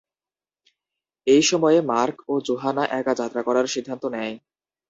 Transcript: এই সময়ে মার্ক ও যোহানা একা যাত্রা করার সিদ্ধান্ত নেয়।